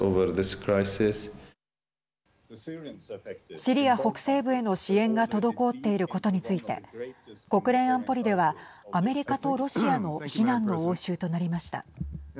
シリア北西部への支援が滞っていることについて国連安保理ではアメリカとロシアの非難の応酬となりました。